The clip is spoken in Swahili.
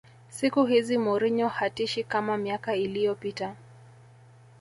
siku hizi mourinho hatishi kama miaka iliyopita